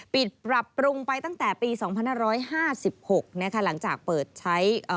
ปิดปรับปรุงไปตั้งแต่ปี๒๕๖นะคะ